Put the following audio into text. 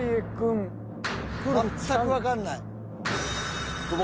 全くわかんない。